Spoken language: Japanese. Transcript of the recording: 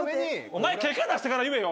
お前結果出してから言えよ。